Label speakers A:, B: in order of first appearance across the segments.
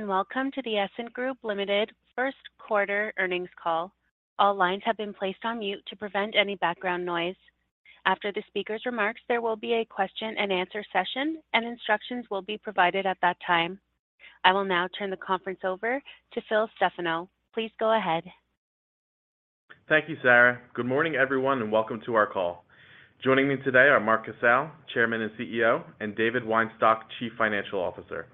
A: Hello, welcome to the Essent Group Ltd. first quarter earnings call. All lines have been placed on mute to prevent any background noise. After the speaker's remarks, there will be a question and answer session. Instructions will be provided at that time. I will now turn the conference over to Phil Stefano. Please go ahead.
B: Thank you, Sarah. Good morning, everyone, and welcome to our call. Joining me today are Mark Casale, Chairman and CEO, and David Weinstock, Chief Financial Officer.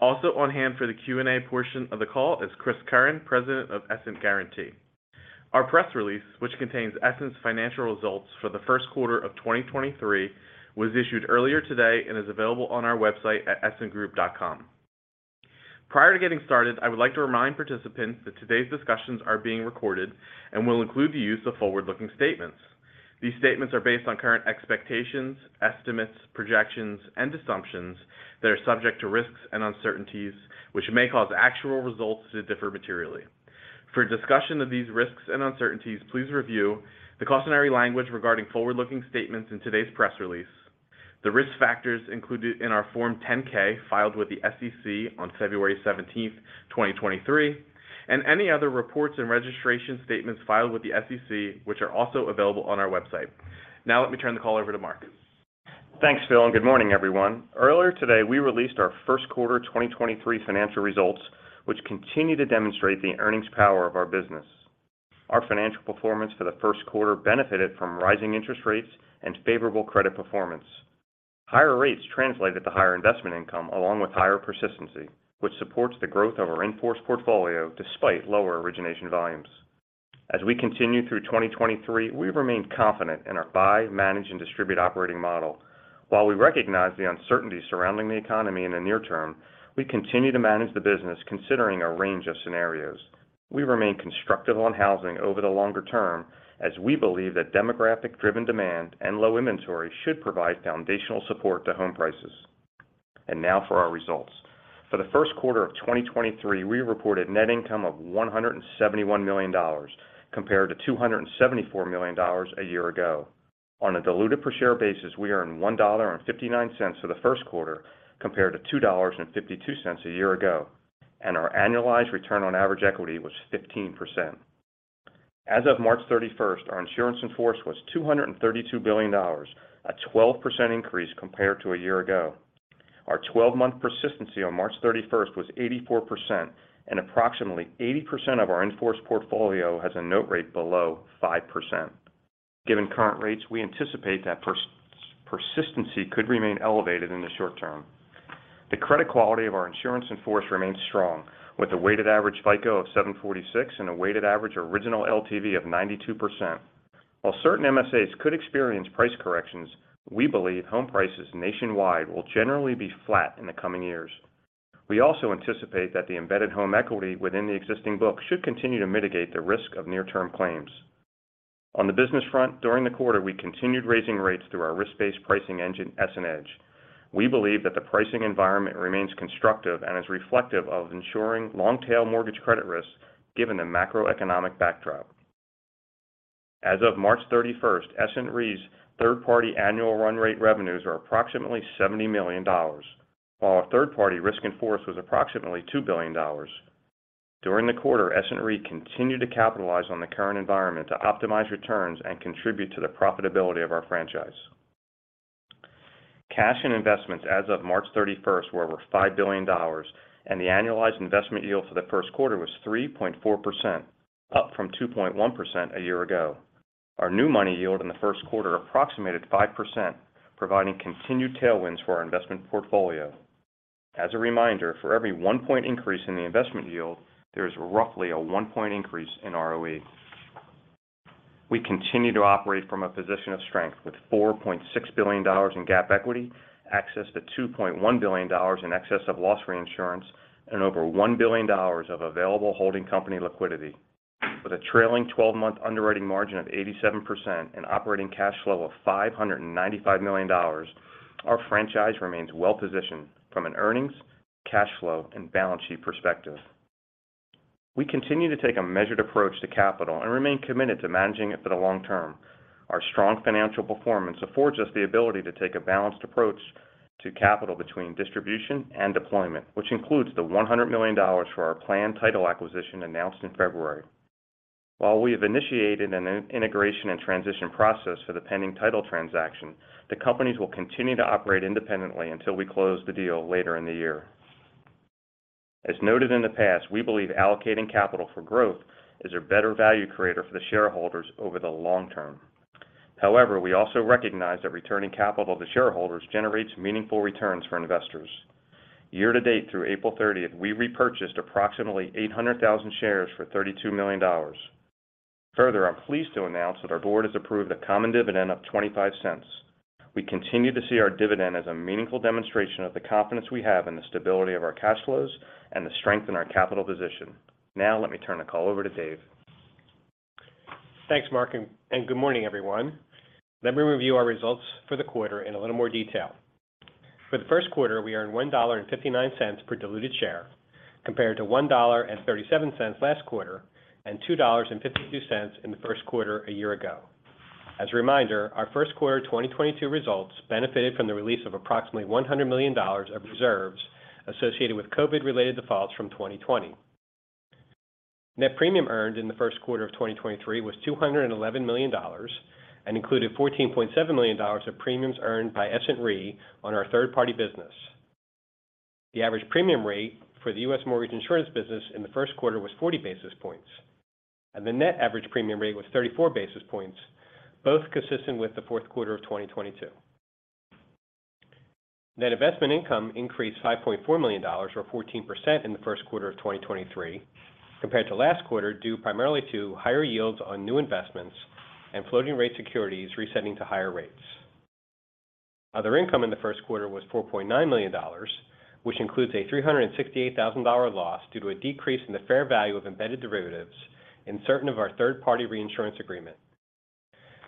B: Also on hand for the Q&A portion of the call is Chris Curran, President of Essent Guaranty. Our press release, which contains Essent's financial results for the first quarter of 2023, was issued earlier today and is available on our website at essentgroup.com. Prior to getting started, I would like to remind participants that today's discussions are being recorded and will include the use of forward-looking statements. These statements are based on current expectations, estimates, projections, and assumptions that are subject to risks and uncertainties, which may cause actual results to differ materially. For a discussion of these risks and uncertainties, please review the cautionary language regarding forward-looking statements in today's press release, the risk factors included in our Form 10-K filed with the SEC on February seventeenth, 2023, and any other reports and registration statements filed with the SEC, which are also available on our website. Now let me turn the call over to Mark.
C: Thanks, Phil, and good morning, everyone. Earlier today, we released our first quarter 2023 financial results, which continue to demonstrate the earnings power of our business. Our financial performance for the first quarter benefited from rising interest rates and favorable credit performance. Higher rates translated to higher investment income along with higher persistency, which supports the growth of our in-force portfolio despite lower origination volumes. As we continue through 2023, we remain confident in our buy, manage, and distribute operating model. While we recognize the uncertainty surrounding the economy in the near term, we continue to manage the business considering a range of scenarios. We remain constructive on housing over the longer term as we believe that demographic-driven demand and low inventory should provide foundational support to home prices. Now for our results. For the first quarter of 2023, we reported net income of $171 million compared to $274 million a year ago. On a diluted per share basis, we earned $1.59 for the first quarter compared to $2.52 a year ago, our annualized return on average equity was 15%. As of March 31st, our insurance in force was $232 billion, a 12% increase compared to a year ago. Our 12-month persistency on March 31st was 84%, approximately 80% of our in-force portfolio has a note rate below 5%. Given current rates, we anticipate that persistency could remain elevated in the short term. The credit quality of our insurance in force remains strong, with a weighted average FICO of 746 and a weighted average original LTV of 92%. While certain MSAs could experience price corrections, we believe home prices nationwide will generally be flat in the coming years. We also anticipate that the embedded home equity within the existing book should continue to mitigate the risk of near-term claims. On the business front, during the quarter, we continued raising rates through our risk-based pricing engine, EssentEDGE. We believe that the pricing environment remains constructive and is reflective of ensuring long-tail mortgage credit risks given the macroeconomic backdrop. As of March 31st, Essent Re's third-party annual run rate revenues are approximately $70 million, while our third-party risk in force was approximately $2 billion. During the quarter, Essent Re continued to capitalize on the current environment to optimize returns and contribute to the profitability of our franchise. Cash and investments as of March thirty-first were over $5 billion, and the annualized investment yield for the first quarter was 3.4%, up from 2.1% a year ago. Our new money yield in the first quarter approximated 5%, providing continued tailwinds for our investment portfolio. As a reminder, for every one point increase in the investment yield, there is roughly a one point increase in ROE. We continue to operate from a position of strength with $4.6 billion in GAAP equity, access to $2.1 billion in excess of loss reinsurance, and over $1 billion of available holding company liquidity. With a trailing 12-month underwriting margin of 87% and operating cash flow of $595 million, our franchise remains well-positioned from an earnings, cash flow, and balance sheet perspective. We continue to take a measured approach to capital and remain committed to managing it for the long term. Our strong financial performance affords us the ability to take a balanced approach to capital between distribution and deployment, which includes the $100 million for our planned title acquisition announced in February. While we have initiated an in-integration and transition process for the pending title transaction, the companies will continue to operate independently until we close the deal later in the year. As noted in the past, we believe allocating capital for growth is a better value creator for the shareholders over the long term. We also recognize that returning capital to shareholders generates meaningful returns for investors. Year to date through April 30th, we repurchased approximately 800,000 shares for $32 million. I'm pleased to announce that our board has approved a common dividend of $0.25. We continue to see our dividend as a meaningful demonstration of the confidence we have in the stability of our cash flows and the strength in our capital position. Let me turn the call over to Dave.
D: Thanks, Mark, and good morning, everyone. Let me review our results for the quarter in a little more detail. For the first quarter, we earned $1.59 per diluted share compared to $1.37 last quarter and $2.52 in the first quarter a year ago. As a reminder, our first quarter 2022 results benefited from the release of approximately $100 million of reserves associated with COVID-related defaults from 2020. Net premium earned in the first quarter of 2023 was $211 million and included $14.7 million of premiums earned by Essent Re on our third-party business. The average premium rate for the U.S. mortgage insurance business in the first quarter was 40 basis points, and the net average premium rate was 34 basis points, both consistent with the fourth quarter of 2022. Net investment income increased $5.4 million, or 14% in the first quarter of 2023 compared to last quarter, due primarily to higher yields on new investments and floating rate securities resetting to higher rates. Other income in the first quarter was $4.9 million, which includes a $368,000 loss due to a decrease in the fair value of embedded derivatives in certain of our third-party reinsurance agreement.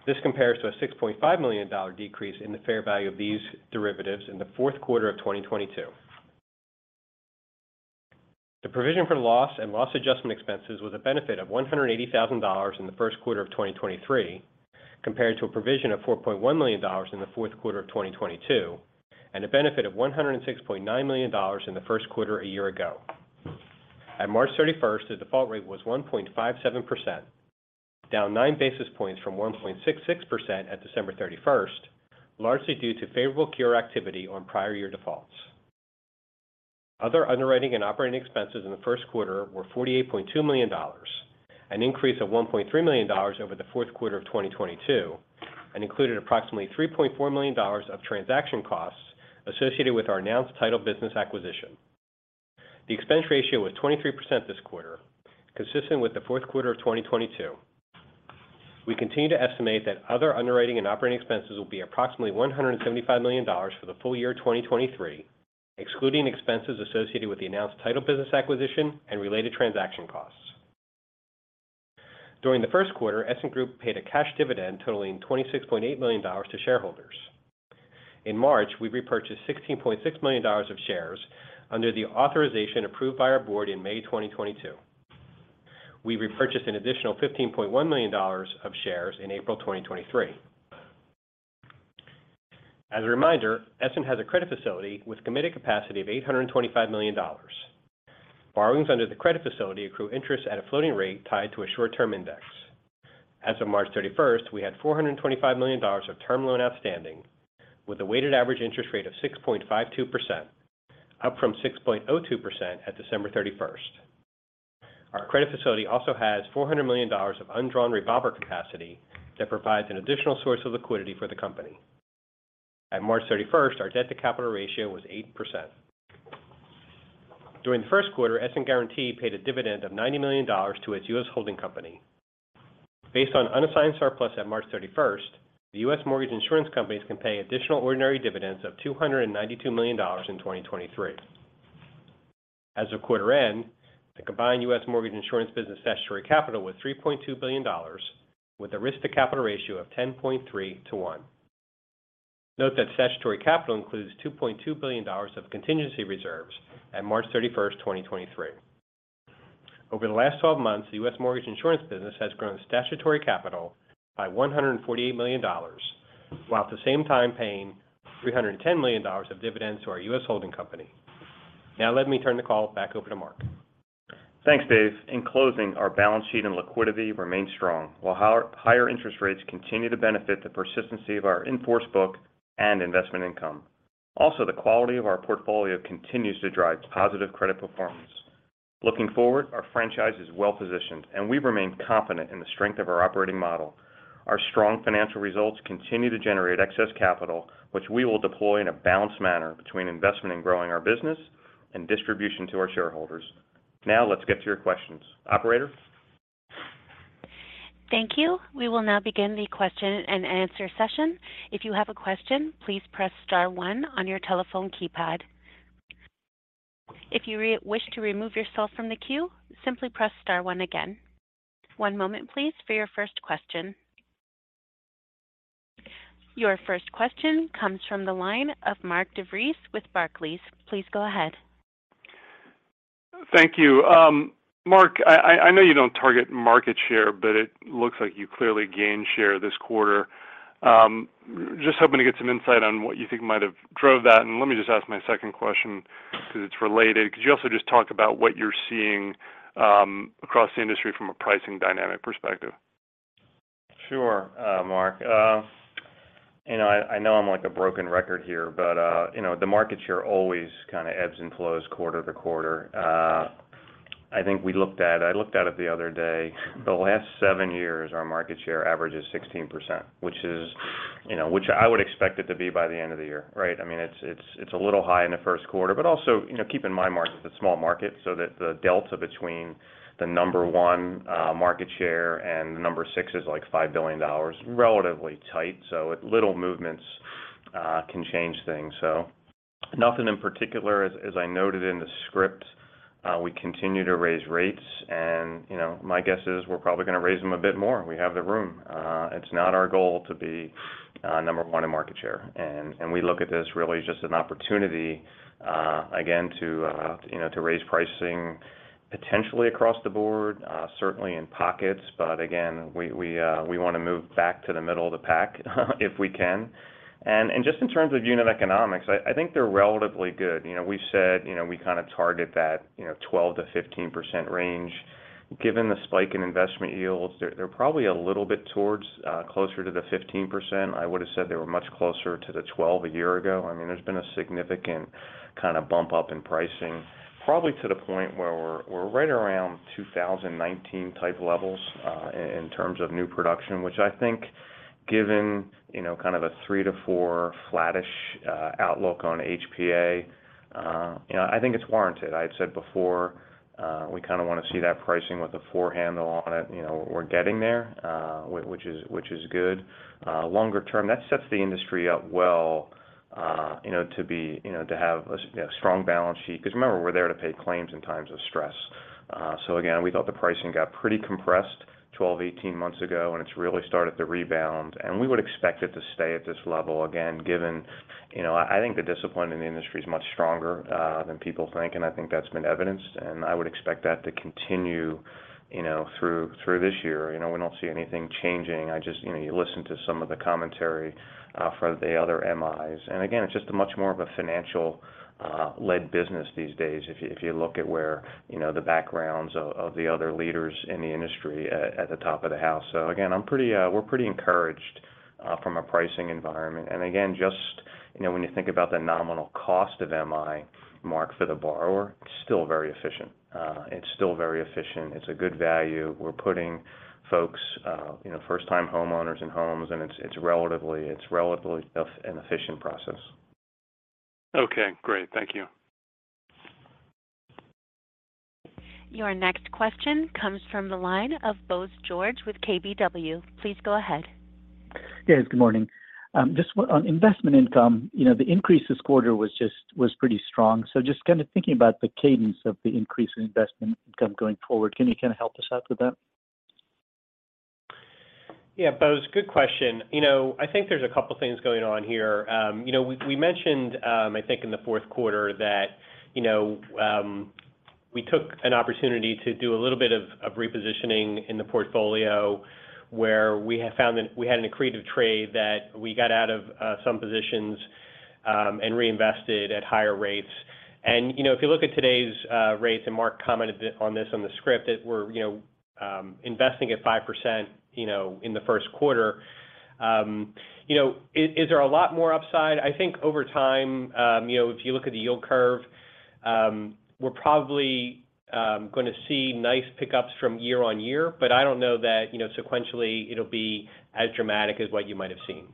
D: This compares to a $6.5 million decrease in the fair value of these derivatives in the fourth quarter of 2022. The provision for loss and loss adjustment expenses was a benefit of $180,000 in the first quarter of 2023 compared to a provision of $4.1 million in the fourth quarter of 2022 and a benefit of $106.9 million in the first quarter a year ago. At March 31st, the default rate was 1.57%, down 9 basis points from 1.66% at December 31st, largely due to favorable cure activity on prior year defaults. Other underwriting and operating expenses in the first quarter were $48.2 million, an increase of $1.3 million over the fourth quarter of 2022, and included approximately $3.4 million of transaction costs associated with our announced title business acquisition. The expense ratio was 23% this quarter, consistent with the fourth quarter of 2022. We continue to estimate that other underwriting and operating expenses will be approximately $175 million for the full year 2023, excluding expenses associated with the announced title business acquisition and related transaction costs. During the first quarter, Essent Group paid a cash dividend totaling $26.8 million to shareholders. In March, we repurchased $16.6 million of shares under the authorization approved by our board in May 2022. We repurchased an additional $15.1 million of shares in April 2023. As a reminder, Essent has a credit facility with committed capacity of $825 million. Borrowings under the credit facility accrue interest at a floating rate tied to a short-term index. As of March 31st, we had $425 million of term loan outstanding with a weighted average interest rate of 6.52%, up from 6.02% at December 31st. Our credit facility also has $400 million of undrawn revolver capacity that provides an additional source of liquidity for the company. At March 31st, our debt to capital ratio was 8%. During the first quarter, Essent Guaranty paid a dividend of $90 million to its U.S. holding company. Based on unassigned surplus at March 31st, the U.S. mortgage insurance companies can pay additional ordinary dividends of $292 million in 2023. As of quarter end, the combined U.S. mortgage insurance business statutory capital was $3.2 billion with a risk to capital ratio of 10.3 to 1. Note that statutory capital includes $2.2 billion of contingency reserves at March 31st, 2023. Over the last 12 months, the U.S. mortgage insurance business has grown statutory capital by $148 million, while at the same time paying $310 million of dividends to our U.S. holding company. Now let me turn the call back over to Mark.
C: Thanks Dave. In closing, our balance sheet and liquidity remain strong, while higher interest rates continue to benefit the persistency of our in-force book and investment income. The quality of our portfolio continues to drive positive credit performance. Looking forward, our franchise is well-positioned, and we remain confident in the strength of our operating model. Our strong financial results continue to generate excess capital, which we will deploy in a balanced manner between investment in growing our business and distribution to our shareholders. Let's get to your questions. Operator?
A: Thank you. We will now begin the question and answer session. If you have a question, please press star one on your telephone keypad. If you re-wish to remove yourself from the queue, simply press star one again. One moment please for your first question. Your first question comes from the line of Mark DeVries with Barclays. Please go ahead.
E: Thank you. Mark, I know you don't target market share, but it looks like you clearly gained share this quarter. Just hoping to get some insight on what you think might have drove that. Let me just ask my second question 'cause it's related. Could you also just talk about what you're seeing across the industry from a pricing dynamic perspective?
C: Sure, Mark. You know, I know I'm like a broken record here, but, you know, the market share always kind of ebbs and flows quarter to quarter. I think we looked at it the other day. The last seven years, our market share average is 16%, which is, you know, which I would expect it to be by the end of the year, right? I mean, it's, it's a little high in the first quarter, but also, you know, keep in mind, Mark, it's a small market so that the delta between the number one market share and the number six is like $5 billion, relatively tight. A little movements can change things. Nothing in particular. As I noted in the script, we continue to raise rates and, you know, my guess is we're probably gonna raise them a bit more. We have the room. It's not our goal to be number one in market share, and We look at this really as just an opportunity, again to, you know, to raise pricing potentially across the board, certainly in pockets, but again, we wanna move back to the middle of the pack if we can. Just in terms of unit economics, I think they're relatively good. You know, we said, you know, we kinda target that, you know, 12%-15% range. Given the spike in investment yields, they're probably a little bit towards, closer to the 15%. I would've said they were much closer to the 12 a year ago. I mean, there's been a significant kinda bump up in pricing, probably to the point where we're right around 2019 type levels in terms of new production. I think given, you know, kind of a 3-4 flattish outlook on HPA, you know, I think it's warranted. I had said before, we kinda wanna see that pricing with a four handle on it. You know, we're getting there, which is good. Longer term, that sets the industry up well, you know, to be, you know, to have a, you know, strong balance sheet. 'Cause remember, we're there to pay claims in times of stress. Again, we thought the pricing got pretty compressed 12, 18 months ago, and it's really started to rebound. We would expect it to stay at this level, again, given, you know, I think the discipline in the industry is much stronger than people think, and I think that's been evidenced. I would expect that to continue, you know, through this year. You know, we don't see anything changing. I just, you know, you listen to some of the commentary for the other MIs. Again, it's just a much more of a financial led business these days if you, if you look at where, you know, the backgrounds of the other leaders in the industry at the top of the house, so again, I'm pretty, we're pretty encouraged from a pricing environment. Again, just, you know, when you think about the nominal cost of MI, Mark, for the borrower, it's still very efficient. It's still very efficient. It's a good value. We're putting folks, you know, first-time homeowners in homes, and it's relatively an efficient process.
E: Okay, great. Thank you.
A: Your next question comes from the line of Bose George with KBW. Please go ahead.
F: Yes, good morning. just on investment income, you know, the increase this quarter was pretty strong. Just kind of thinking about the cadence of the increase in investment income going forward, can you kind of help us out with that?
D: Yeah Bose, good question. You know, I think there's a couple things going on here. You know, we mentioned, I think in the fourth quarter that, you know, we took an opportunity to do a little bit of repositioning in the portfolio where we have found that we had an accretive trade that we got out of some positions and reinvested at higher rates, and you know, if you look at today's rates, and Mark commented on this on the script, that we're, you know, investing at 5%, you know, in the first quarter. You know, it is a lot more upside, I think over time, you know, if you look at the yield curve, we're probably gonna see nice pickups from year-on-year, but I don't know that, you know, sequentially it'll be as dramatic as what you might have seen.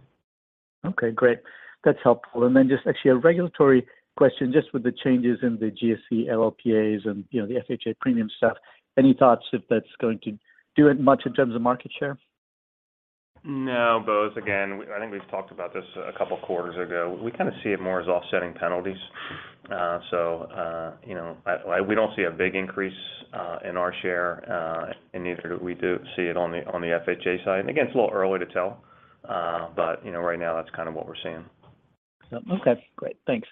F: Okay great. That's helpful. Just actually a regulatory question, just with the changes in the GSE LLPAs and, you know, the FHA premium stuff. Any thoughts if that's going to do it much in terms of market share?
C: No, Bose. Again I think we've talked about this a couple quarters ago. We kind of see it more as offsetting penalties, so, you know, we don't see a big increase in our share, and neither do we see it on the FHA side. Again, it's a little early to tell, but, you know, right now that's kind of what we're seeing.
F: Okay, great. Thanks.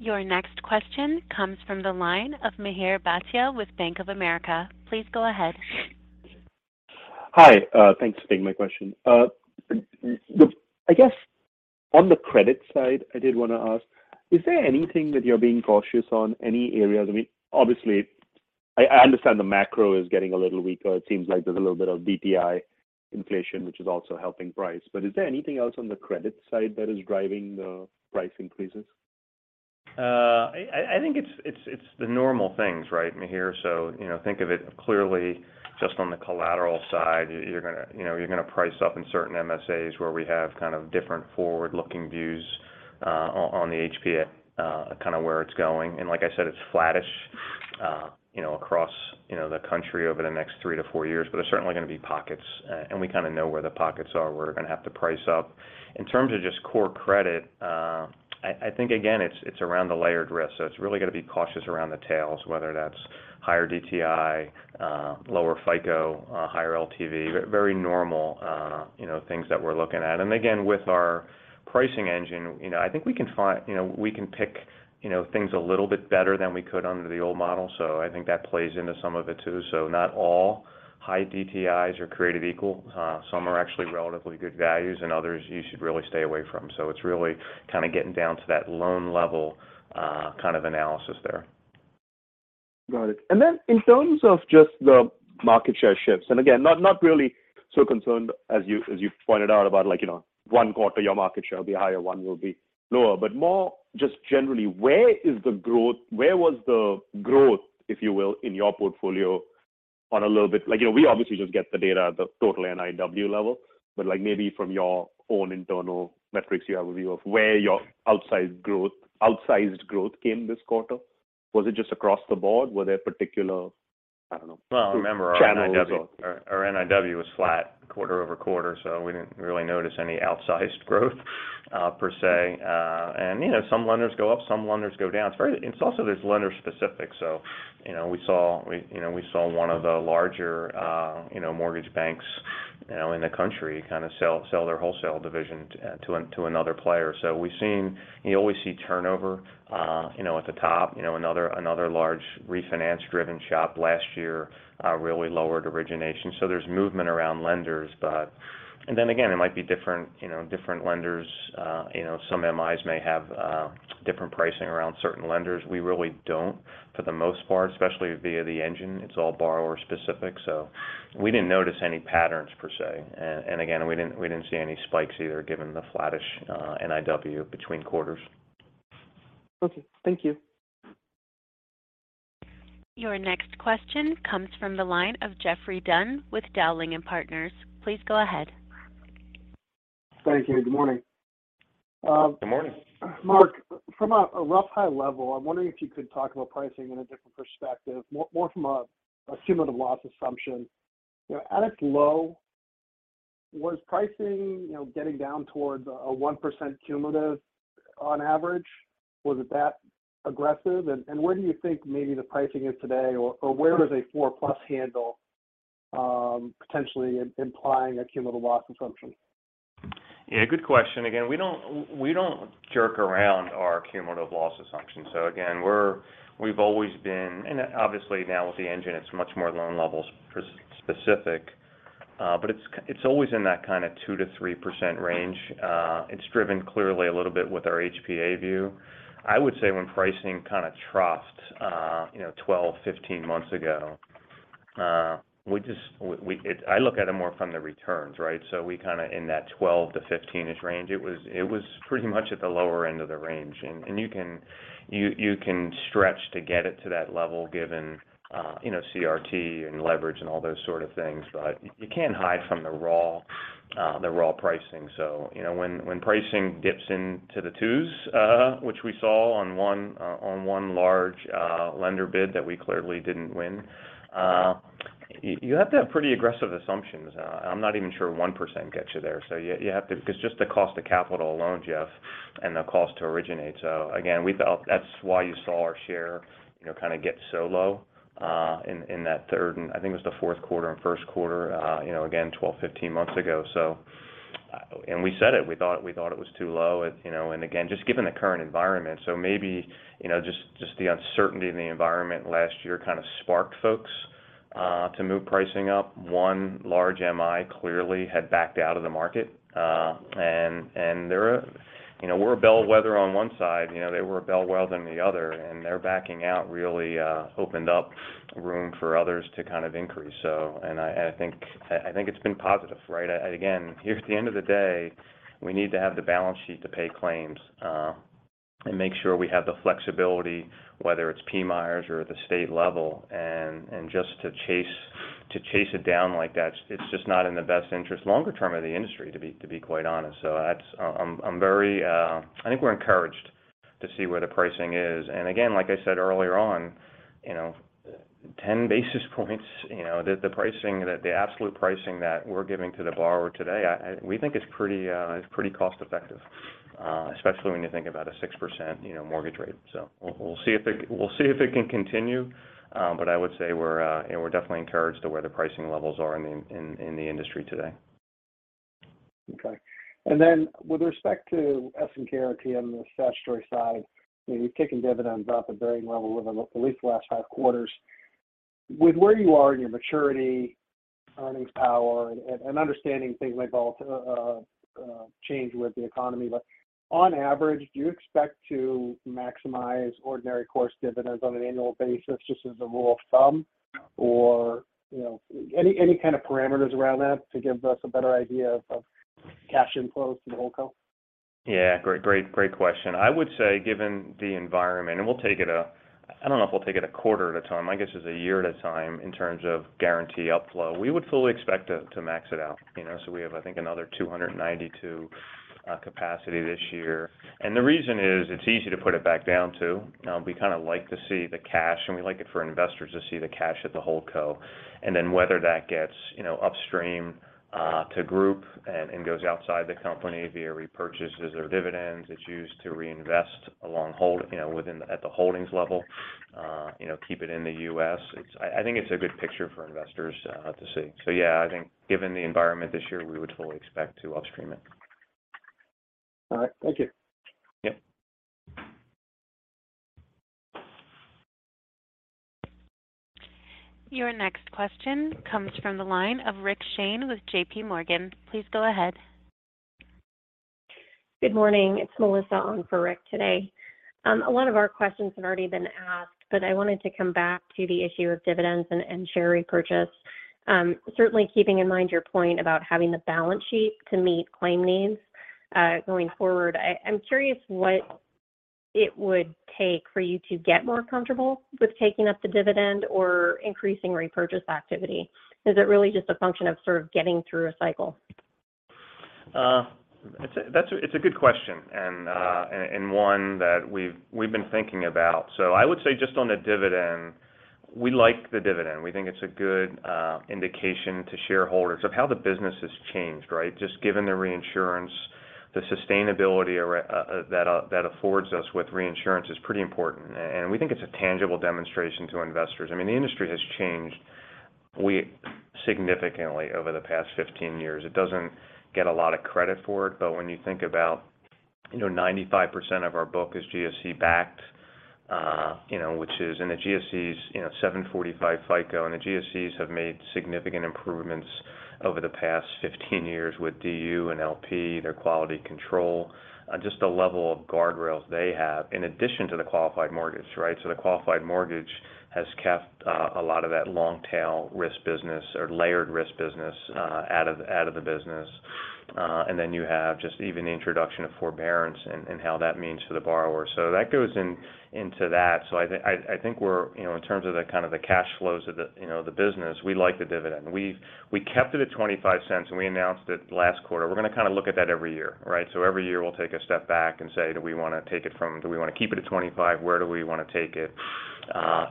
A: Your next question comes from the line of Mihir Bhatia with Bank of America. Please go ahead.
G: Hi, thanks for taking my question. I guess on the credit side, I did wanna ask, is there anything that you're being cautious on any areas? I mean, obviously I understand the macro is getting a little weaker. It seems like there's a little bit of DTI inflation, which is also helping price. Is there anything else on the credit side that is driving the price increases?
C: I think it's the normal things, right, Mihir? You know, think of it clearly just on the collateral side. You're gonna, you know, you're gonna price up in certain MSAs where we have kind of different forward-looking views on the HPA, kind of where it's going. Like I said, it's flattish, you know, across, you know, the country over the next three to four years. There's certainly gonna be pockets, and we kinda know where the pockets are we're gonna have to price up. In terms of just core credit, I think again it's around the layered risk. It's really gonna be cautious around the tails, whether that's higher DTI, lower FICO, higher LTV. Very normal, you know, things that we're looking at. Again, with our pricing engine, you know, I think we can find, you know, we can pick, you know, things a little bit better than we could under the old model. I think that plays into some of it too. Not all high DTIs are created equal. Some are actually relatively good values and others you should really stay away from. It's really kinda getting down to that loan level, kind of analysis there.
G: Got it. In terms of just the market share shifts, again, not really so concerned as you, as you pointed out about like, you know, one quarter your market share will be higher, one will be lower. More just generally, where was the growth, if you will, in your portfolio on a little bit-- Like, you know, we obviously just get the data at the total NIW level, but like maybe from your own internal metrics you have a view of where your outsized growth came this quarter. Was it just across the board? Were there particular, I don't know-
C: Well, remember-
G: Channels.
C: Our NIW was flat quarter-over-quarter, we didn't really notice any outsized growth per se, and, you know, some lenders go up, some lenders go down. It's also there's lender specific. You know, we saw, you know, one of the larger, you know, mortgage banks, you know, in the country kind of sell their wholesale division to another player. We've seen you always see turnover, you know, at the top. You know, another large refinance-driven shop last year, really lowered origination. There's movement around lenders, but... Then again, it might be different, you know, different lenders. You know, some MIs may have different pricing around certain lenders. We really don't for the most part, especially via the engine. It's all borrower specific. We didn't notice any patterns per se. Again, we didn't see any spikes either, given the flattish NIW between quarters.
H: Okay. Thank you.
A: Your next question comes from the line of Geoffrey Dunn with Dowling & Partners. Please go ahead.
H: Thank you. Good morning.
C: Good morning.
H: Mark, from a rough high level, I'm wondering if you could talk about pricing in a different perspective, more from a cumulative loss assumption. You know, at its low, was pricing, you know, getting down towards a 1% cumulative on average? Was it that aggressive? Where do you think maybe the pricing is today or where does a four-plus handle potentially implying a cumulative loss assumption?
C: Yeah, good question. Again, we don't jerk around our cumulative loss assumption, so again, we've always been, and obviously now with the engine it's much more loan level specific, but it's always in that kind of 2%-3% range. It's driven clearly a little bit with our HPA view. I would say when pricing kind of troughed, you know, 12, 15 months ago, I look at it more from the returns, right? We kind of in that 12-15-ish range, it was pretty much at the lower end of the range. And you can stretch to get it to that level given, you know, CRT and leverage and all those sort of things, but you can't hide from the raw, the raw pricing. you know, when pricing dips into the 2s, which we saw on one large, lender bid that we clearly didn't win, you have to have pretty aggressive assumptions. I'm not even sure 1% gets you there. Just the cost of capital alone, Jeff, and the cost to originate. Again, we felt that's why you saw our share, you know, kind of get so low, in that 3rd and I think it was the 4th quarter and 1st quarter, you know, again 12, 15 months ago. And we said it. We thought it was too low, you know, and again, just given the current environment. Maybe, you know, just the uncertainty in the environment last year kind of sparked folks to move pricing up. One large MI clearly had backed out of the market. You know, we're a bellwether on one side, you know, they were a bellwether on the other, and their backing out really opened up room for others to kind of increase. I think it's been positive, right? Again, here at the end of the day, we need to have the balance sheet to pay claims and make sure we have the flexibility, whether it's PMIs or at the state level. Just to chase it down like that, it's just not in the best interest longer term of the industry, to be quite honest. That's I'm very. I think we're encouraged to see where the pricing is. Again, like I said earlier on, you know, 10 basis points, you know, the absolute pricing that we're giving to the borrower today, we think it's pretty cost-effective, especially when you think about a 6%, you know, mortgage rate. We'll see if it can continue. I would say we're, you know, we're definitely encouraged to where the pricing levels are in the industry today.
H: Okay. With respect to Essent Guaranty on the statutory side, you know, you've taken dividends off a varying level over the, at least the last five quarters. With where you are in your maturity, earnings power and understanding things may change with the economy, but on average, do you expect to maximize ordinary course dividends on an annual basis just as a rule of thumb? Or, you know, any kind of parameters around that to give us a better idea of cash inflows to the whole co?
C: Yeah. Great, great question. I would say given the environment, I don't know if we'll take it a quarter at a time. I guess it's a year at a time in terms of guarantee up-flow. We would fully expect to max it out, you know. We have, I think, another $292 capacity this year. The reason is it's easy to put it back down too. We kind of like to see the cash, and we like it for investors to see the cash at the whole co. Then whether that gets, you know, upstream to Group and goes outside the company via repurchases or dividends, it's used to reinvest along hold, you know, within the, at the holdings level, you know, keep it in the U.S. I think it's a good picture for investors to see. Yeah, I think given the environment this year, we would fully expect to upstream it.
H: All right. Thank you.
C: Yep.
A: Your next question comes from the line of Rick Shane with JP Morgan. Please go ahead.
I: Good morning. It's Melissa on for Rick today. A lot of our questions have already been asked. I wanted to come back to the issue of dividends and share repurchase. Certainly keeping in mind your point about having the balance sheet to meet claim needs, going forward, I'm curious what it would take for you to get more comfortable with taking up the dividend or increasing repurchase activity. Is it really just a function of sort of getting through a cycle?
C: That's a good question and one that we've been thinking about, so I would say just on the dividend, we like the dividend. We think it's a good indication to shareholders of how the business has changed, right? Just given the reinsurance. The sustainability that affords us with reinsurance is pretty important. We think it's a tangible demonstration to investors. I mean, the industry has changed significantly over the past 15 years. It doesn't get a lot of credit for it, but when you think about, you know, 95% of our book is GSE-backed, you know, which is. The GSE is, you know, 745 FICO. The GSCs have made significant improvements over the past 15 years with DU and LP, their quality control, just the level of guardrails they have in addition to the qualified mortgage, right? The qualified mortgage has kept a lot of that long tail risk business or layered risk business, out of the business. Then you have just even the introduction of forbearance and how that means for the borrower. That goes into that. I think we're, you know, in terms of the kind of the cash flows of the, you know, the business, we like the dividend. We kept it at $0.25 when we announced it last quarter. We're gonna kinda look at that every year, right? Every year we'll take a step back and say, "Do we wanna keep it at 25? Where do we wanna take it?"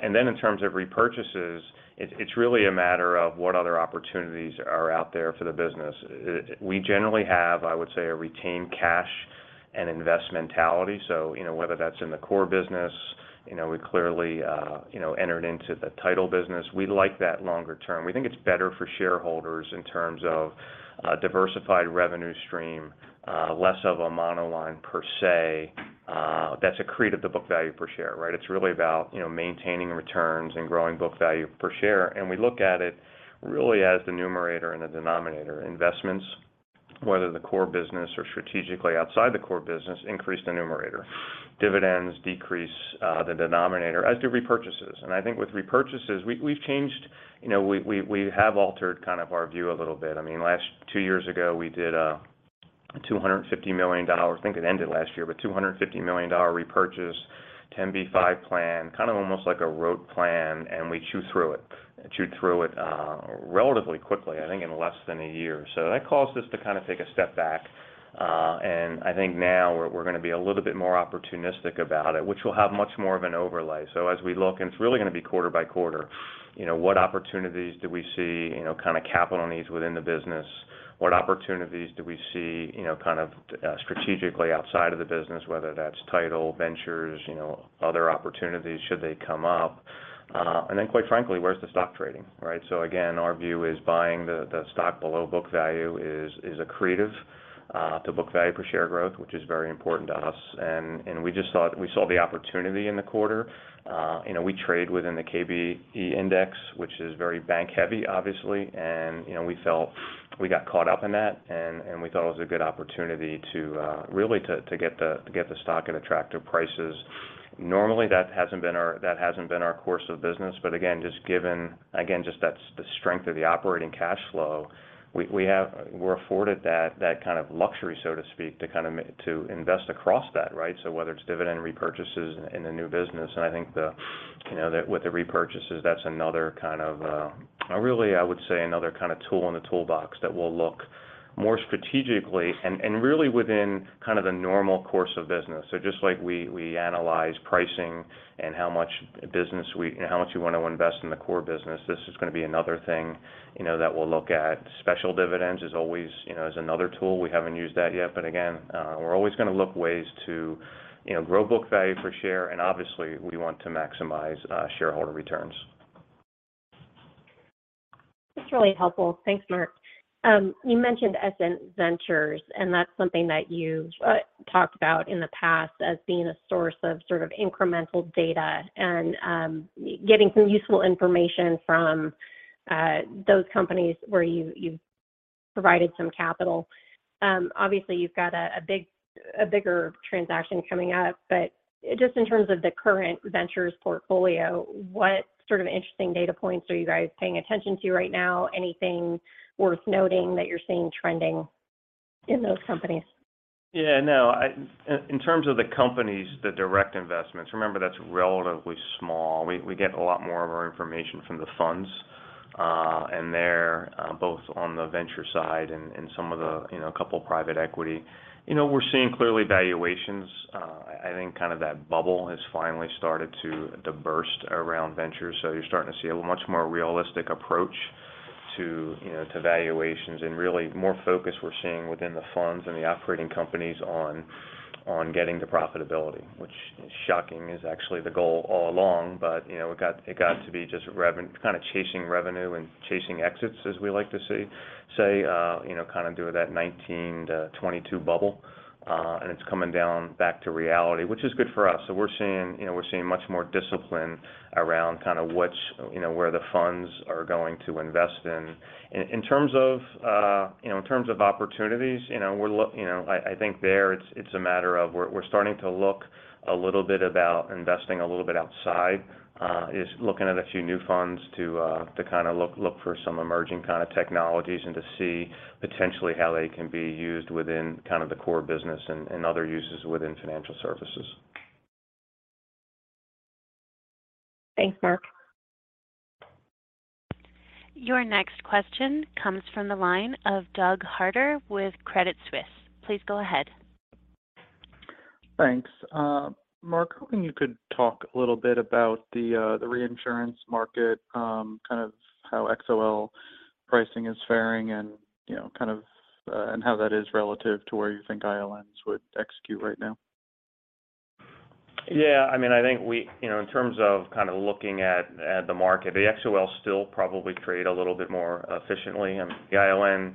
C: Then in terms of repurchases, it's really a matter of what other opportunities are out there for the business. We generally have, I would say, a retain cash and invest mentality. You know, whether that's in the core business, you know, we clearly, you know, entered into the title business. We like that longer term. We think it's better for shareholders in terms of a diversified revenue stream, less of a monoline per se. That's accreted the book value per share, right? It's really about, you know, maintaining returns and growing book value per share. We look at it really as the numerator and the denominator. Investments, whether the core business or strategically outside the core business, increase the numerator. Dividends decrease the denominator, as do repurchases. I think with repurchases, You know, we have altered kind of our view a little bit. I mean, two years ago, we did a $250 million, I think it ended last year, but $250 million repurchase, 10 by 5 plan, kind of almost like a road plan, and we chewed through it relatively quickly, I think in less than a year. That caused us to kind of take a step back. I think now we're gonna be a little bit more opportunistic about it, which will have much more of an overlay. As we look, and it's really gonna be quarter by quarter, you know, what opportunities do we see, you know, kind of capital needs within the business? What opportunities do we see, you know, kind of strategically outside of the business, whether that's title, ventures, you know, other opportunities should they come up? Quite frankly, where's the stock trading, right? Again, our view is buying the stock below book value is accretive to book value per share growth, which is very important to us. We just saw the opportunity in the quarter. You know, we trade within the KBE index, which is very bank-heavy, obviously. You know, we felt we got caught up in that, and we thought it was a good opportunity to really get the stock at attractive prices. Normally, that hasn't been our course of business. Again, just given that the strength of the operating cash flow, we're afforded that kind of luxury, so to speak, to invest across that, right? Whether it's dividend repurchases in a new business, and I think the with the repurchases, that's another kind of really, I would say another kind of tool in the toolbox that we'll look more strategically and really within kind of the normal course of business. Just like we analyze pricing and how much business and how much we want to invest in the core business, this is gonna be another thing, you know, that we'll look at. Special dividends is always, you know, is another tool. We haven't used that yet. Again, we're always gonna look ways to, you know, grow book value per share, and obviously, we want to maximize shareholder returns.
I: That's really helpful. Thanks Mark. You mentioned Essent Ventures, that's something that you talked about in the past as being a source of sort of incremental data and getting some useful information from those companies where you've provided some capital. Obviously you've got a bigger transaction coming up. Just in terms of the current ventures portfolio, what sort of interesting data points are you guys paying attention to right now? Anything worth noting that you're seeing trending in those companies?
C: Yeah, no. In terms of the companies, the direct investments, remember that's relatively small. We get a lot more of our information from the funds, and they're both on the venture side and some of the, you know, couple private equity. You know, we're seeing clearly valuations. I think kind of that bubble has finally started to burst around ventures, you're starting to see a much more realistic approach to, you know, to valuations and really more focus we're seeing within the funds and the operating companies on getting to profitability, which is shocking is actually the goal all along. You know, it got to be just kind of chasing revenue and chasing exits, as we like to say, you know, kind of during that 19-22 bubble. It's coming down back to reality, which is good for us. We're seeing, you know, we're seeing much more discipline around kind of what's, you know, where the funds are going to invest in. In terms of, you know, in terms of opportunities, you know, I think there it's a matter of we're starting to look a little bit about investing a little bit outside. Is looking at a few new funds to kind of look for some emerging kind of technologies and to see potentially how they can be used within kind of the core business and other uses within financial services.
I: Thanks, Mark.
A: Your next question comes from the line of Doug Harter with Credit Suisse. Please go ahead.
J: Thanks. Mark, hoping you could talk a little bit about the reinsurance market, kind of how XOL pricing is faring and, you know, kind of and how that is relative to where you think ILNs would execute right now.
C: Yeah. I mean, I think we, you know, in terms of kind of looking at the market, the XOL still probably trade a little bit more efficiently. The ILN,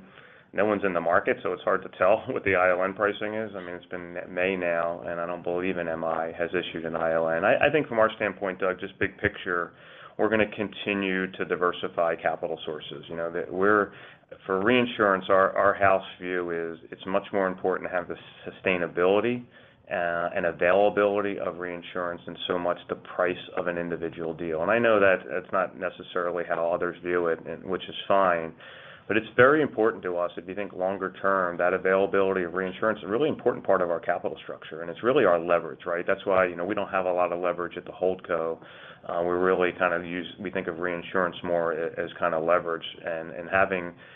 C: no one's in the market, so it's hard to tell what the ILN pricing is. I mean, it's been May now, and I don't believe an MI has issued an ILN. I think from our standpoint Doug, just big picture, we're gonna continue to diversify capital sources. You know, that we're for reinsurance our house view is it's much more important to have the sustainability and availability of reinsurance than so much the price of an individual deal. I know that it's not necessarily how others view it, and which is fine, but it's very important to us if you think longer term, that availability of reinsurance is a really important part of our capital structure, and it's really our leverage, right? That's why, you know, we don't have a lot of leverage at the HoldCo. We really kind of think of reinsurance more as kind of leverage.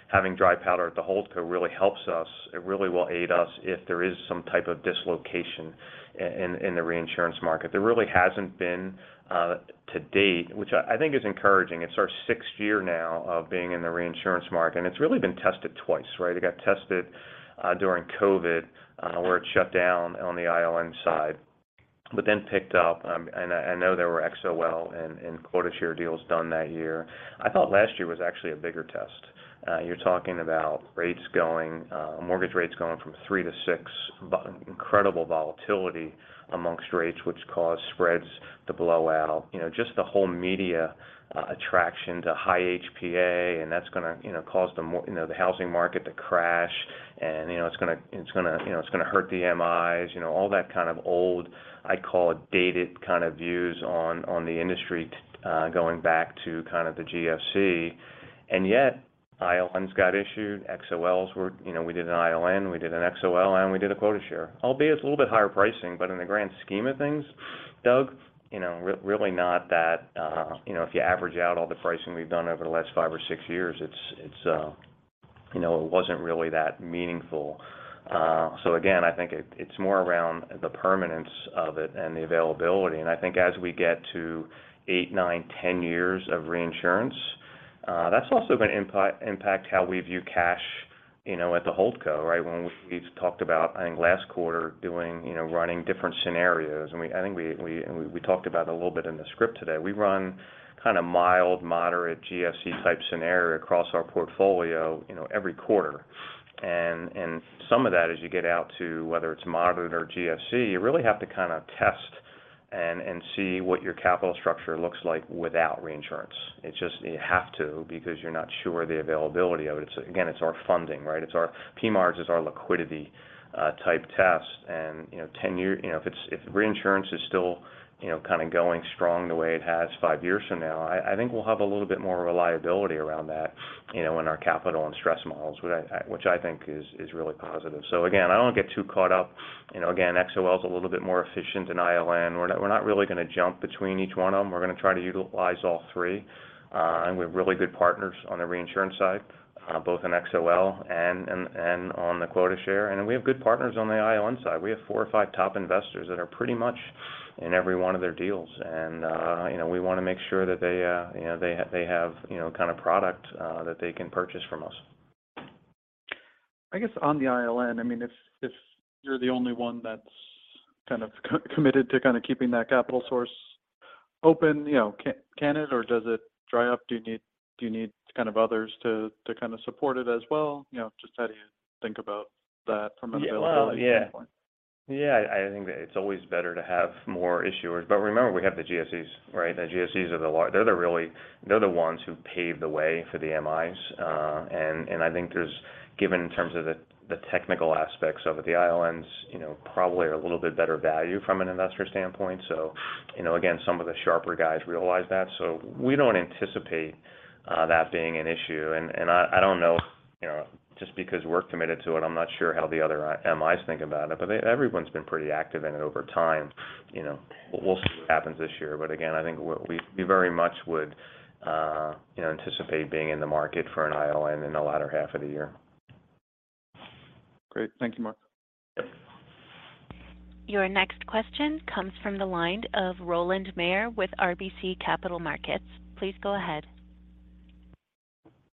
C: Having dry powder at the HoldCo really helps us. It really will aid us if there is some type of dislocation in the reinsurance market. There really hasn't been to date, which I think is encouraging. It's our sixth year now of being in the reinsurance market, and it's really been tested twice, right? It got tested, during COVID, where it shut down on the ILN side, but then picked up. I know there were XOL and quota share deals done that year. I thought last year was actually a bigger test. You're talking about rates going, mortgage rates going from three to six, incredible volatility amongst rates, which caused spreads to blow out. You know, just the whole media, attraction to high HPA, and that's gonna, you know, cause the housing market to crash and, you know, it's gonna, it's gonna, you know, it's gonna hurt the MIs. You know, all that kind of old, I call it dated kind of views on the industry, going back to kind of the GFC. ILNs got issued, XOLs were... You know, we did an ILN, we did an XOL, and we did a quota share. Albeit it's a little bit higher pricing, but in the grand scheme of things, Doug, you know, really not that, you know, if you average out all the pricing we've done over the last five or six years, it's, you know, it wasn't really that meaningful. Again, I think it's more around the permanence of it and the availability. I think as we get to eight, nine, 10 years of reinsurance, that's also gonna impact how we view cash, you know, at the HoldCo, right? When we've talked about, I think, last quarter doing, you know, running different scenarios, I think we, and we talked about it a little bit in the script today. We run kind of mild, moderate GFC-type scenario across our portfolio, you know, every quarter. some of that as you get out to whether it's moderate or GFC, you really have to kind of test and see what your capital structure looks like without reinsurance. It's just you have to because you're not sure the availability of it. It's, again, it's our funding, right? It's our PMIERs is our liquidity type test. you know, 10 year, you know, if it's, if reinsurance is still, you know, kind of going strong the way it has five years from now, I think we'll have a little bit more reliability around that, you know, in our capital and stress models, which I think is really positive. again, I don't get too caught up. You know, again, XOL is a little bit more efficient than ILN. We're not really gonna jump between each one of them. We're gonna try to utilize all three. We have really good partners on the reinsurance side, both in XOL and on the quota share. We have good partners on the ILN side. We have four or five top investors that are pretty much in every one of their deals. You know, we wanna make sure that they, you know, they have, you know, kind of product that they can purchase from us.
J: I guess on the ILN, I mean, if you're the only one that's kind of committed to kind of keeping that capital source open, you know, can it or does it dry up? Do you need kind of others to kind of support it as well? You know, just how do you think about that from an availability standpoint?
C: Well, yeah. Yeah. I think that it's always better to have more issuers. Remember, we have the GSCs, right? The GSCs are they're the really, they're the ones who paved the way for the MIs. And I think there's, given in terms of the technical aspects of it, the ILNs, you know, probably are a little bit better value from an investor standpoint. You know again, some of the sharper guys realize that. We don't anticipate that being an issue, and I don't know, you know, just because we're committed to it, I'm not sure how the other MIs think about it, but everyone's been pretty active in it over time. You know, we'll see what happens this year, but Again, I think we very much would, you know, anticipate being in the market for an ILN in the latter half of the year.
J: Great. Thank you, Mark.
C: Yep.
A: Your next question comes from the line of Roland Mayor with RBC Capital Markets. Please go ahead.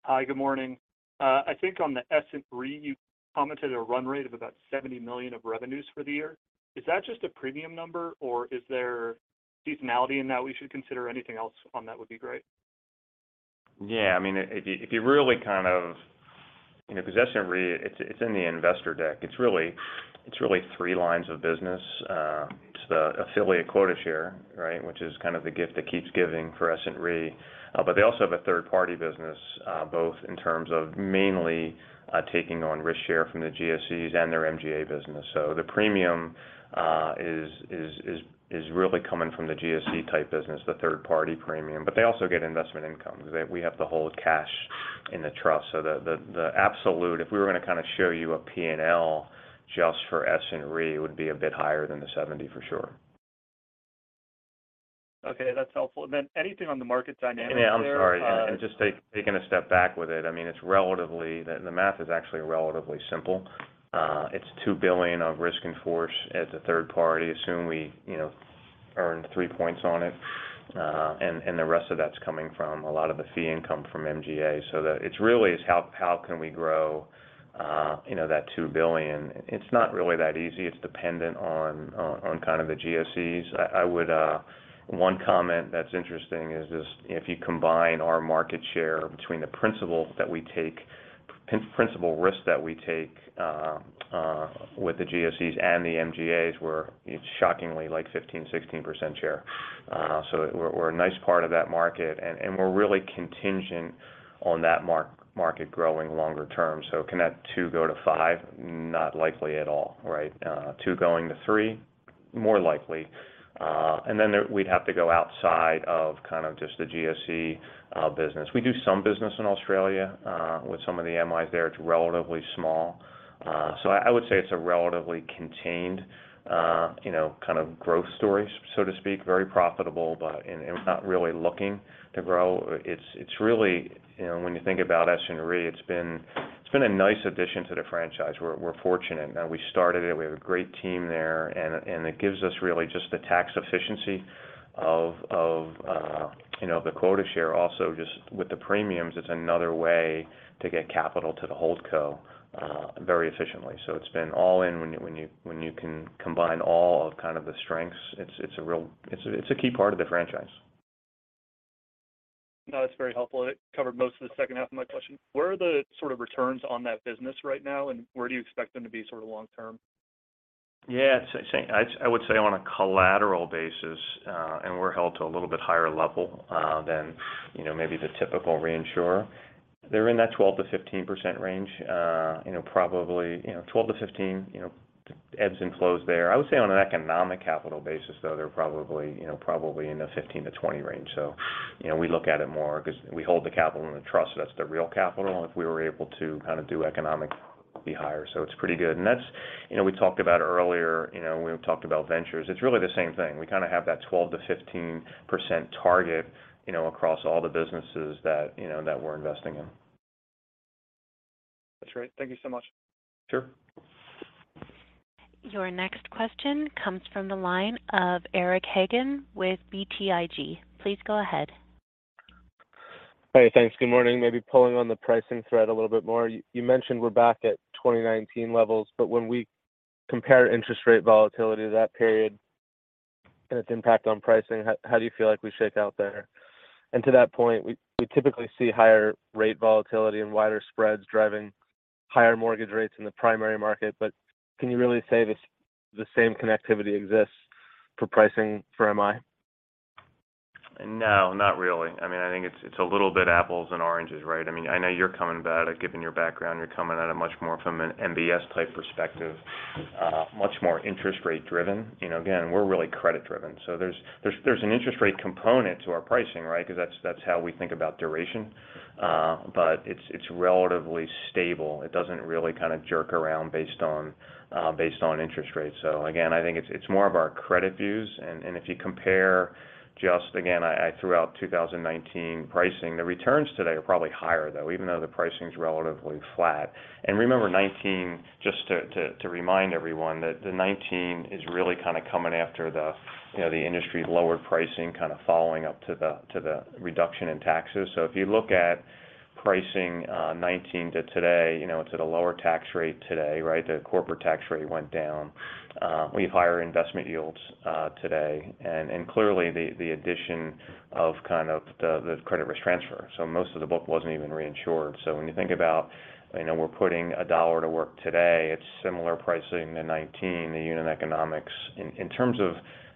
K: Hi, good morning. I think on the Essent Re, you commented a run rate of about $70 million of revenues for the year. Is that just a premium number, or is there seasonality in that we should consider? Anything else on that would be great.
C: Yeah. I mean. You know, because Essent Re, it's in the investor deck. It's really three lines of business. It's the affiliate quota share, right? Which is kind of the gift that keeps giving for Essent Re. They also have a third-party business, both in terms of mainly taking on risk share from the GSEs and their MGA business. The premium is really coming from the GSE-type business, the third party premium. They also get investment income. We have to hold cash in the trust. The absolute, if we were gonna kind of show you a PNL just for Essent Re, it would be a bit higher than the 70 for sure.
K: Okay, that's helpful. Anything on the market dynamics there?
C: Yeah, I'm sorry. Just taking a step back with it, I mean, it's relatively... The math is actually relatively simple. It's $2 billion of risk in force as a third party. Assume we, you know, earn three points on it, and the rest of that's coming from a lot of the fee income from MGA. It's really is how can we grow, you know, that $2 billion? It's not really that easy. It's dependent on kind of the GSEs. I would... One comment that's interesting is this: if you combine our market share between the principal that we take, principal risk that we take, with the GSEs and the MGAs, we're shockingly like 15%-16% share. We're a nice part of that market, and we're really contingent on that mark-market growing longer term. Can that two go to five? Not likely at all, right? two going to three? More likely. Then we'd have to go outside of kind of just the GSE business. We do some business in Australia, with some of the MIs there. It's relatively small. I would say it's a relatively contained, you know, kind of growth story so to speak, very profitable, but and not really looking to grow. It's really, you know, when you think about S&P, it's been a nice addition to the franchise. We're fortunate. We started it. We have a great team there, and it gives us really just the tax efficiency of, you know, the quota share. Also, just with the premiums, it's another way to get capital to the hold co very efficiently. It's been all in when you can combine all of kind of the strengths, it's a key part of the franchise.
K: That's very helpful. It covered most of the second half of my question. Where are the sort of returns on that business right now, and where do you expect them to be sort of long term?
C: Yeah. I would say on a collateral basis, and we're held to a little bit higher level, than, you know, maybe the typical reinsurer. They're in that 12%-15% range, you know, probably, you know, 12%-15%, you know, ebbs and flows there. I would say on an economic capital basis, though, they're probably, you know, probably in the 15%-20% range. You know, we look at it more 'cause we hold the capital in the trust, so that's the real capital. If we were able to kind of do economic, it would be higher, so it's pretty good. That's, you know, we talked about earlier, you know, when we talked about ventures, it's really the same thing. We kind of have that 12%-15% target, you know, across all the businesses that, you know, that we're investing in.
K: That's great. Thank you so much.
C: Sure.
A: Your next question comes from the line of Eric Hagen with BTIG. Please go ahead.
L: Hey, thanks. Good morning. Maybe pulling on the pricing thread a little bit more. You mentioned we're back at 2019 levels, but when we compare interest rate volatility to that period and its impact on pricing, how do you feel like we shake out there? To that point, we typically see higher rate volatility and wider spreads driving higher mortgage rates in the primary market, but can you really say the same connectivity exists for pricing for MI?
C: No, not really. I mean, I think it's a little bit apples and oranges, right? I mean, I know you're coming about it, given your background, you're coming at it much more from an MBS type perspective, much more interest rate driven. You know, again, we're really credit driven. There's an interest rate component to our pricing, right? 'Cause that's how we think about duration. It's relatively stable. It doesn't really kind of jerk around based on, based on interest rates. Again, I think it's more of our credit views. And if you compare just, again, I threw out 2019 pricing. The returns today are probably higher though, even though the pricing's relatively flat. Remember 19, just to remind everyone that the 19 is really kind of coming after the, you know, the industry's lower pricing kind of following up to the reduction in taxes. If you look at pricing, 19 to today, you know, it's at a lower tax rate today, right? The corporate tax rate went down. We have higher investment yields today, and clearly the addition of kind of the credit risk transfer. Most of the book wasn't even reinsured. When you think about, you know, we're putting $1 to work today, it's similar pricing to 19, the unit economics. In terms of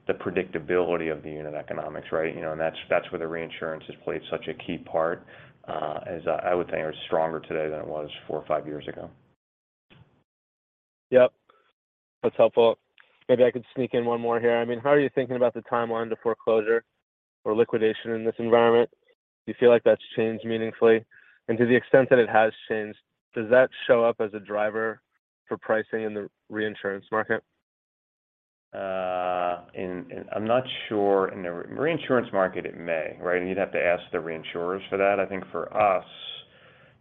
C: the predictability of the unit economics, right? You know, that's where the reinsurance has played such a key part, as I would think are stronger today than it was 4 or 5 years ago.
L: Yep. That's helpful. Maybe I could sneak in one more here. I mean, how are you thinking about the timeline to foreclosure or liquidation in this environment? Do you feel like that's changed meaningfully? To the extent that it has changed, does that show up as a driver for pricing in the reinsurance market?
C: I'm not sure. In the reinsurance market, it may, right? You'd have to ask the reinsurers for that. I think for us,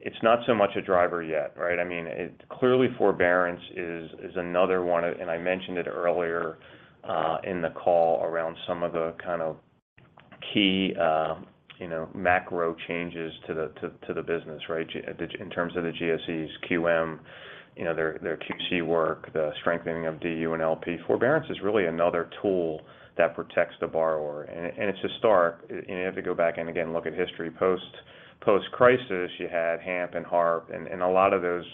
C: it's not so much a driver yet, right? I mean, it. Clearly forbearance is another one, and I mentioned it earlier in the call around some of the kind of key, you know, macro changes to the business, right? In terms of the GSEs QM, you know, their QC work, the strengthening of DU and LP. Forbearance is really another tool that protects the borrower. It's historic. You know, if you go back and again look at history, post-crisis, you had HAMP and HARP, and a lot of those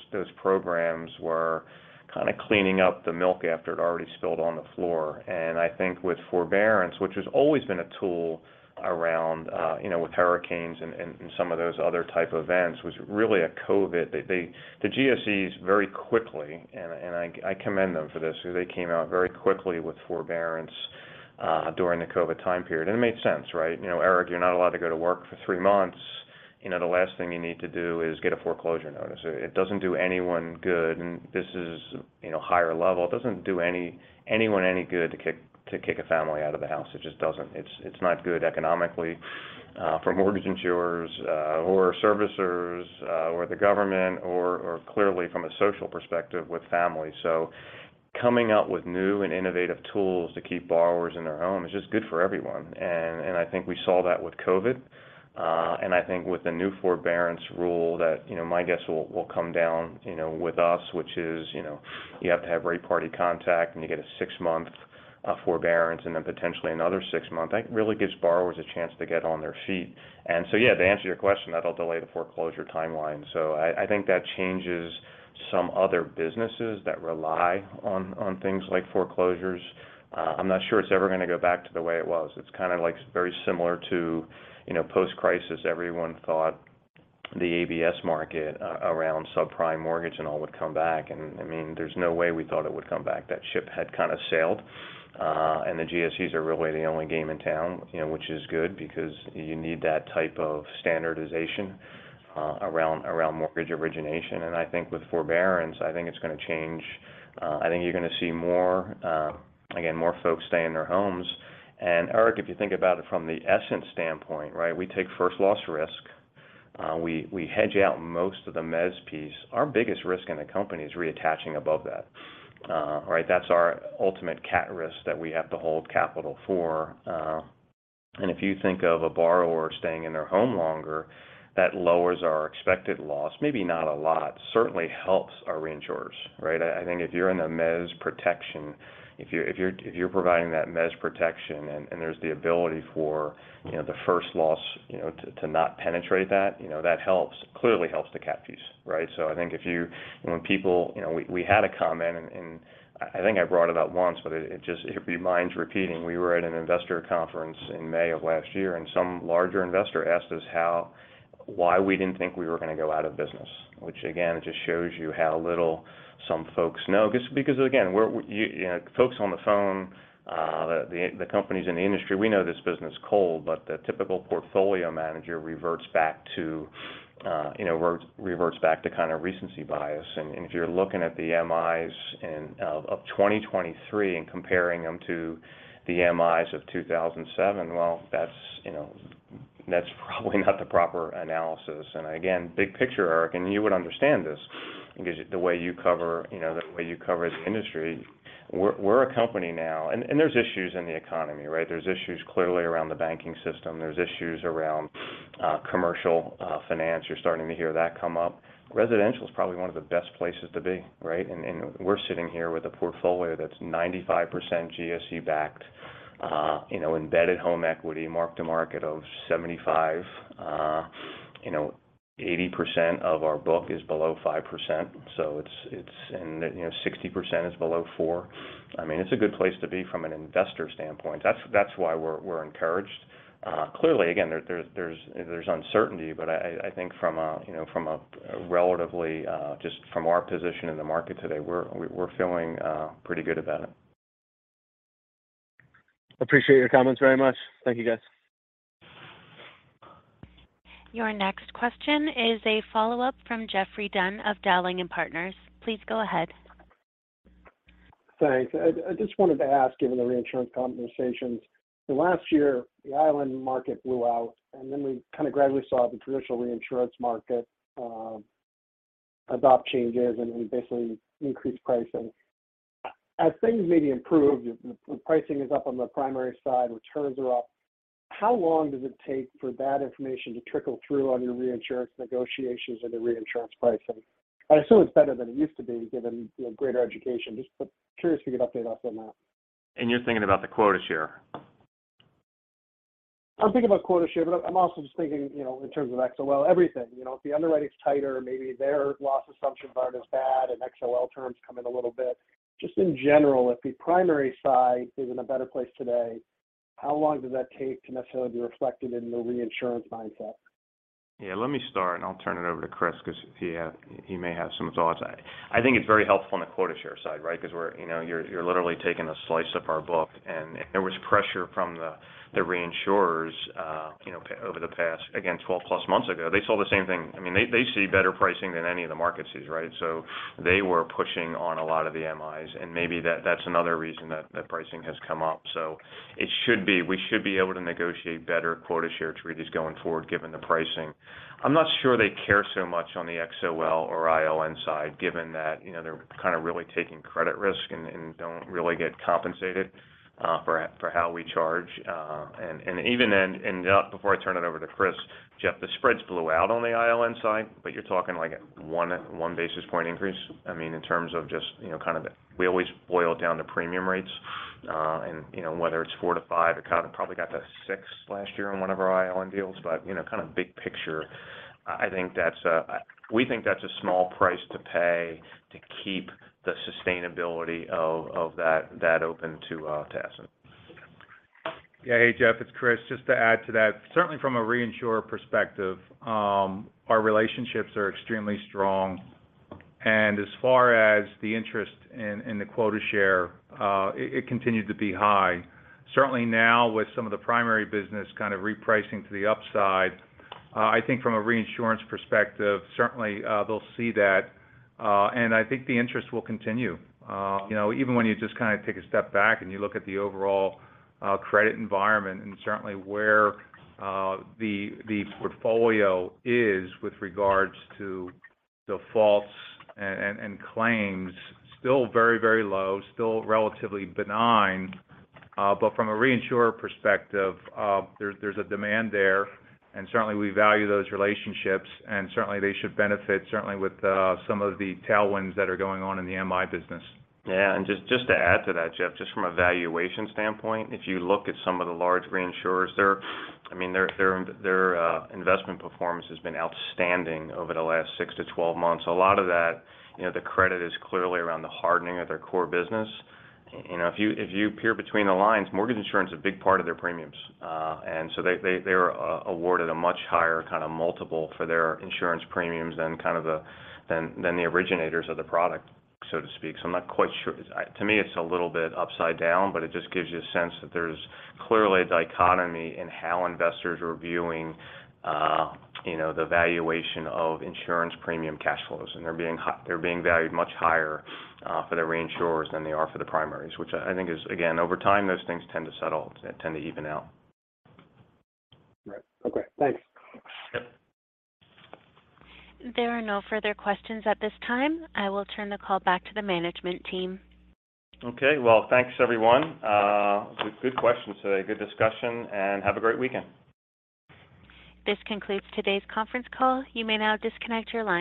C: programs were kind of cleaning up the milk after it already spilled on the floor. I think with forbearance, which has always been a tool around, you know, with hurricanes and some of those other type events, was really a COVID. The GSEs very quickly, and I commend them for this, they came out very quickly with forbearance during the COVID time period. It made sense, right? You know, Eric, you're not allowed to go to work for three months. You know, the last thing you need to do is get a foreclosure notice. It doesn't do anyone good, and this is, you know, higher level. It doesn't do anyone any good to kick a family out of the house. It just doesn't. It's not good economically for mortgage insurers or servicers or the government or clearly from a social perspective with families. Coming up with new and innovative tools to keep borrowers in their home is just good for everyone. I think we saw that with COVID. I think with the new forbearance rule that, you know, my guess will come down, you know, with us, which is, you know, you have to have third-party contact, and you get a 6-month forbearance, and then potentially another six months. That really gives borrowers a chance to get on their feet. Yeah, to answer your question, that'll delay the foreclosure timeline, so I think that changes some other businesses that rely on things like foreclosures. I'm not sure it's ever gonna go back to the way it was. It's kind of like very similar to, you know, post-crisis. Everyone thought the ABS market around subprime mortgage and all would come back, I mean, there's no way we thought it would come back. That ship had kind of sailed, and the GSEs are really the only game in town, you know, which is good because you need that type of standardization, around mortgage origination. I think with forbearance, I think it's gonna change. I think you're gonna see more, again, more folks stay in their homes. Eric, if you think about it from the Essent standpoint, right? We take first loss risk. We, we hedge out most of the mezz piece. Our biggest risk in the company is reattaching above that. Right? That's our ultimate CAT risk that we have to hold capital for. If you think of a borrower staying in their home longer, that lowers our expected loss, maybe not a lot, certainly helps our reinsurers, right? I think if you're in a mezz protection, if you're providing that mezz protection and there's the ability for, you know, the first loss, you know, to not penetrate that, you know, that helps. Clearly helps the CAT piece, right? I think, you know, we had a comment, and I think I brought it up once, but it just reminds repeating. We were at an investor conference in May of last year, some larger investor asked us why we didn't think we were gonna go out of business, which again, just shows you how little some folks know. Just because, again, you know, folks on the phone, the companies in the industry, we know this business cold, but the typical portfolio manager reverts back to, you know, reverts back to kind of recency bias. If you're looking at the MIs of 2023 and comparing them to the MIs of 2007, well, that's, you know, that's probably not the proper analysis. Again, big picture, Eric, and you would understand this because the way you cover, you know, the way you cover the industry, we're a company now, and there's issues in the economy, right? There's issues clearly around the banking system. There's issues around commercial finance. You're starting to hear that come up. Residential is probably one of the best places to be, right? We're sitting here with a portfolio that's 95% GSE-backed, you know, embedded home equity, mark to market of 75%, you know, 80% of our book is below 5%. It's. You know, 60% is below four. I mean, it's a good place to be from an investor standpoint. That's why we're encouraged. Clearly, again, there's uncertainty, but I think from a, you know, from a relatively, just from our position in the market today, we're feeling pretty good about it.
L: Appreciate your comments very much. Thank you, guys.
A: Your next question is a follow-up from Geoffrey Dunn of Dowling & Partners. Please go ahead.
H: Thanks. I just wanted to ask, given the reinsurance conversations. Last year, the ILN market blew out, and then we kind of gradually saw the traditional reinsurance market adopt changes and basically increase pricing. As things maybe improve, the pricing is up on the primary side, returns are up, how long does it take for that information to trickle through on your reinsurance negotiations or the reinsurance pricing? I assume it's better than it used to be, given, you know, greater education. Just curious if you could update us on that?
C: You're thinking about the quota share?
H: I'm thinking about quota share, but I'm also just thinking, you know, in terms of XOL, everything. You know, if the underwriting's tighter, maybe their loss assumptions aren't as bad and XOL terms come in a little bit. Just in general, if the primary side is in a better place today, how long does that take to necessarily be reflected in the reinsurance mindset?
C: Let me start, I'll turn it over to Chris because he may have some thoughts. I think it's very helpful on the quota share side, right? We're, you know, you're literally taking a slice of our book. There was pressure from the reinsurers, you know, over the past, again, 12-plus months ago. They saw the same thing. I mean, they see better pricing than any of the markets sees, right? They were pushing on a lot of the MIs, and maybe that's another reason that pricing has come up. It should be. We should be able to negotiate better quota share treaties going forward given the pricing. I'm not sure they care so much on the XOL or ILN side, given that, you know, they're kind of really taking credit risk and don't really get compensated for how we charge. Even then, before I turn it over to Chris, Jeff, the spreads blew out on the ILN side, but you're talking like a 1 basis point increase. I mean, in terms of just, you know, kind of. We always boil it down to premium rates, and, you know, whether it's 4-5, it kind of probably got to 6 last year on one of our ILN deals. You know, kind of big picture, we think that's a small price to pay to keep the sustainability of that open to Essent.
M: Yeah. Hey, Jeff, it's Chris. Just to add to that, certainly from a reinsurer perspective, our relationships are extremely strong. As far as the interest in the quota share, it continued to be high. Certainly now with some of the primary business kind of repricing to the upside, I think from a reinsurance perspective, certainly, they'll see that. I think the interest will continue. You know, even when you just kinda take a step back and you look at the overall credit environment and certainly where the portfolio is with regards to defaults and claims, still very, very low, still relatively benign. From a reinsurer perspective, there's a demand there, and certainly we value those relationships. certainly they should benefit certainly with, some of the tailwinds that are going on in the MI business.
C: Just, just to add to that, Jeff, just from a valuation standpoint, if you look at some of the large reinsurers, I mean, their investment performance has been outstanding over the last 6-12 months. A lot of that, you know, the credit is clearly around the hardening of their core business. You know, if you, if you peer between the lines, mortgage insurance is a big part of their premiums. So they were awarded a much higher kind of multiple for their insurance premiums than the originators of the product, so to speak. I'm not quite sure. To me, it's a little bit upside down, but it just gives you a sense that there's clearly a dichotomy in how investors are viewing, you know, the valuation of insurance premium cash flows. They're being valued much higher, for their reinsurers than they are for the primaries, which I think is again, over time, those things tend to settle, tend to even out.
M: Right. Okay. Thanks.
C: Yep.
A: There are no further questions at this time. I will turn the call back to the management team.
C: Okay. Well, thanks, everyone. It was a good question today, good discussion, have a great weekend.
A: This concludes today's conference call. You may now disconnect your line.